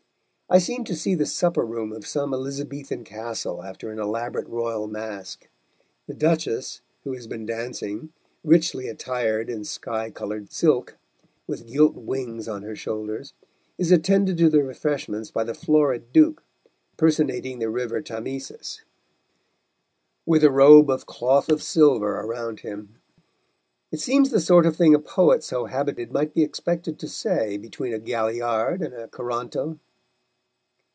I seem to see the supper room of some Elizabethan castle after an elaborate royal masque. The Duchess, who has been dancing, richly attired in sky coloured silk, with gilt wings on her shoulders, is attended to the refreshments by the florid Duke, personating the river Thamesis, with a robe of cloth of silver around him. It seems the sort of thing a poet so habited might be expected to say between a galliard and a coranto.